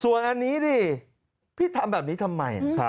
ส่วนอันนี้ดิพี่ทำแบบนี้ทำไม